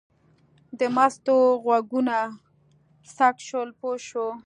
د مستو غوږونه څک شول پوه شوه.